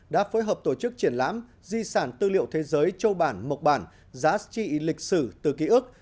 đã phối hợp tổ chức triển lãm di sản tư liệu thế giới châu bản mộc bản giá trị lịch sử từ ký ức